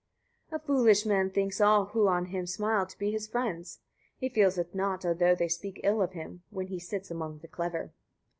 24. A foolish man thinks all who on him smile to be his friends; he feels it not, although they speak ill of him, when he sits among the clever.